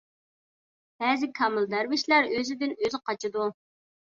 بەزى كامىل دەرۋىشلەر ئۆزىدىن ئۆزى قاچىدۇ.